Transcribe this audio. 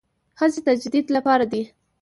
هڅې تجدید لپاره دي.